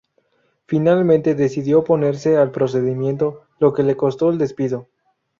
Finalmente decidió oponerse al procedimiento, lo que le costó el despido.